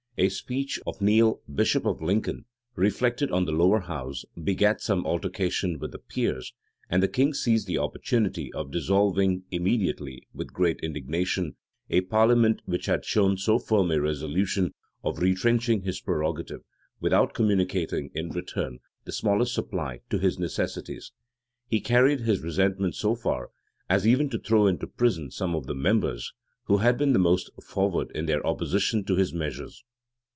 A speech of Neile, bishop of Lincoln, reflecting on the lower house, begat some altercation with the peers;[*] and the king seized the opportunity of dissolving, immediately, with great indignation, a parliament which had shown so firm a resolution of retrenching his prerogative, without communicating, in return, the smallest supply to his necessities. He carried his resentment so far, as even to throw into prison some of the members who had been the most forward in their opposition to his measures.